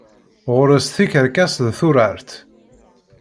Ɣur-s tikerkas d turart.